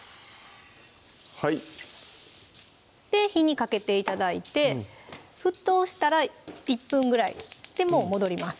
はいで火にかけて頂いて沸騰したら１分ぐらいでもう戻ります